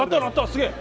すげえ。